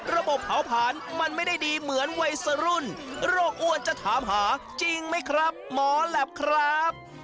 เผาผลาญมันไม่ได้ดีเหมือนวัยสรุ่นโรคอ้วนจะถามหาจริงไหมครับหมอแหลปครับ